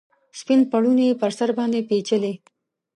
سپین پوړنې یې پر سر باندې پیچلي